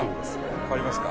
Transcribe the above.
変わりますか？